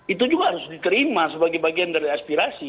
itu juga harus diterima sebagai bagian dari aspirasi